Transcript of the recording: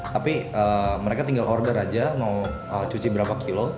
tapi mereka tinggal order aja mau cuci berapa kilo